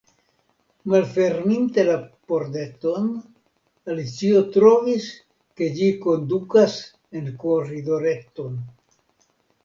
Malferminte la pordeton, Alicio trovis ke ĝi kondukas en koridoreton.